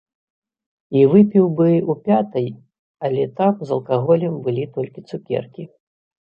І выпіў бы ў пятай, але там з алкаголем былі толькі цукеркі.